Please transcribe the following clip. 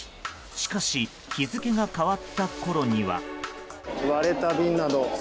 しかし日付が変わったころには。